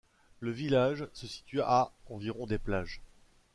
Le village se situe à environ des plages.